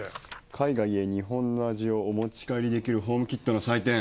海外へ日本の味をお持ち帰りできるホームキットの祭典。